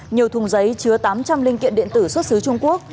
nhiều thùng giấy chứa tám trăm linh linh kiện điện tử xuất xứ trung quốc